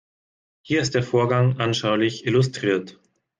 Hier ist der Vorgang anschaulich illustriert.